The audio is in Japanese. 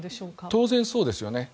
当然、そうですよね。